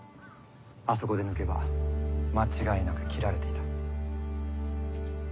あそこで抜けば間違いなく斬られていた。